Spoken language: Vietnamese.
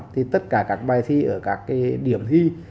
thì tất cả các bài thi ở các cái điểm thi